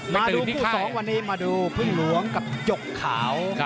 มาดูคู่๒วันนี้มาดูพึ่งหลวงกับหยกขาว